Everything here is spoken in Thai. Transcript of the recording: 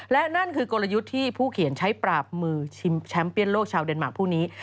และนั่นคือกลยุทธ์ที่ผู้เขียนใช้ปราบมือชิงแชมป์เี้ยนโลกชาวเดนมาร์ผู้นี้